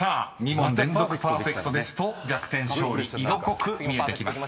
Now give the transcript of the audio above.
［２問連続パーフェクトですと逆転勝利色濃く見えてきます］